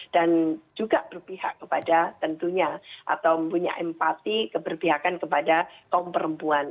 dan juga berpihak kepada tentunya atau mempunyai empati keberpihakan kepada kaum perempuan